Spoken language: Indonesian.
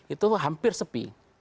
itu hampir sepi